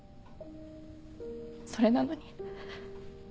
それなのに。